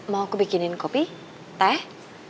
mau aku bikinin kopi teh